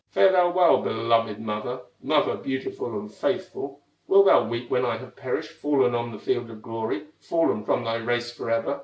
"Fare thou well, beloved mother, Mother, beautiful and faithful! Wilt thou weep when I have perished, Fallen on the field of glory, Fallen from thy race forever?"